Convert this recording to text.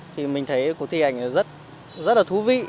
thì mình thấy cuộc thi ảnh rất là thú vị